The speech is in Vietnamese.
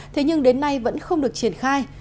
thế nhưng đến nay vẫn không được triển khai